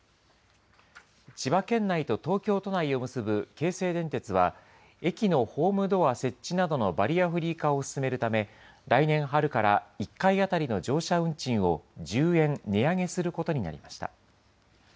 千葉県内と東京都内を結ぶ京成電鉄は、駅のホームドア設置などのバリアフリー化を進めるため、来年春から１回当たりの乗車運賃を１０円値上げすることになりました。